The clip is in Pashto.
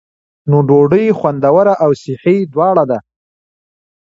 نوې ډوډۍ خوندوره او صحي دواړه ده.